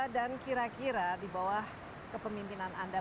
dan kira kira di bawah kepemimpinan anda